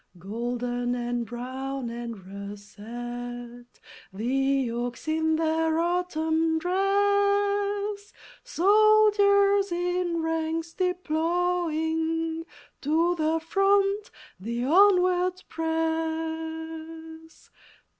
Golden and brown and russet The oaks in their Autumn dress; Soldiers in ranks deploying, To the front they onward press.